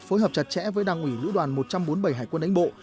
phối hợp chặt chẽ với đảng ủy lữ đoàn một trăm bốn mươi bảy hải quân đánh bộ